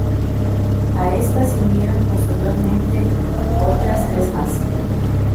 A esta se unieron posteriormente otras tres más.